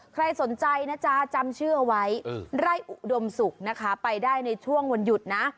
ใครสนใจนะจ๊ะจำชื่อเอาไว้ไร่อุดมศุกร์นะคะไปได้ในช่วงวันหยุดนะ